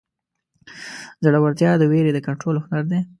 زړهورتیا د وېرې د کنټرول هنر دی.